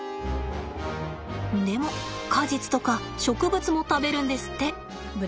でも果実とか植物も食べるんですって。